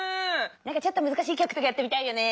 なんかちょっとむずかしいきょくとかやってみたいよね。